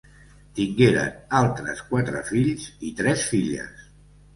Tingueren altres quatre fills i tres filles.